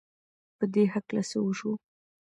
په دې هلک څه وشوو؟!